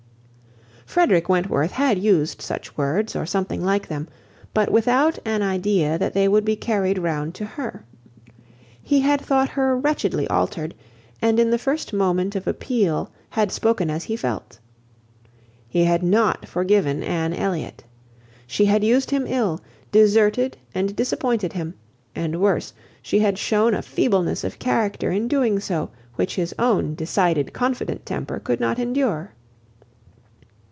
Frederick Wentworth had used such words, or something like them, but without an idea that they would be carried round to her. He had thought her wretchedly altered, and in the first moment of appeal, had spoken as he felt. He had not forgiven Anne Elliot. She had used him ill, deserted and disappointed him; and worse, she had shewn a feebleness of character in doing so, which his own decided, confident temper could not endure.